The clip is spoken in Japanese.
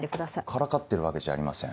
からかってるわけじゃありません。